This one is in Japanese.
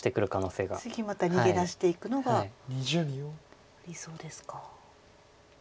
次また逃げ出していくのがありそうですか。